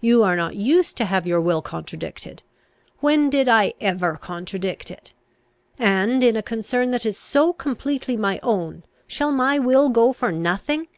You are not used to have your will contradicted! When did I ever contradict it? And, in a concern that is so completely my own, shall my will go for nothing?